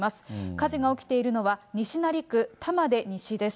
火事が起きているのは、西成区たまでにしです。